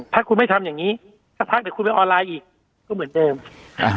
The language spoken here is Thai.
ถ้าคุณไม่ทำอย่างงี้สักพักเดี๋ยวคุณไปออนไลน์อีกก็เหมือนเดิมอ่า